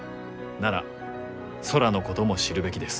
なら空のことも知るべきです。